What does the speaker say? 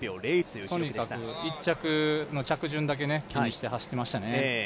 とにかく１着、着順だけ気にして走っていましたね。